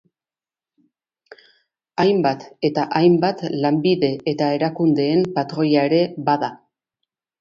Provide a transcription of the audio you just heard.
Hainbat eta hainbat lanbide eta erakundeen patroia ere bada.